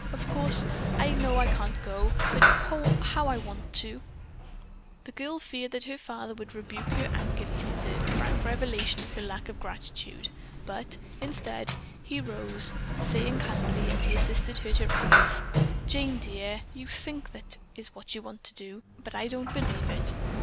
Of course I know I can't go, but, oh, how I do want to." The girl feared that her father would rebuke her angrily for the frank revelation of her lack of gratitude, but, instead, he rose, saying kindly as he assisted her to arise, "Jane, dear, you think that is what you want to do but I don't believe it.